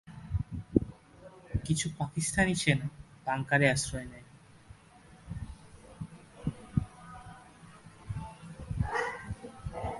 কিছু পাকিস্তানি সেনা বাংকারে আশ্রয় নেয়।